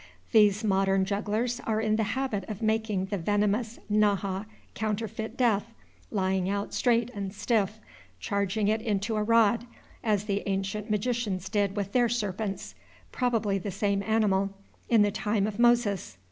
These modern jugglers are in the habit of making the venomous Naja counterfeit death, lying out straight and stiff, changing it into a rod, as the ancient magicians did with their serpents, (probably the same animal,) in the time of Moses.